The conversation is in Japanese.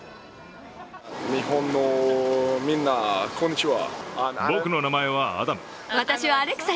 日本のみんな、こんにちは。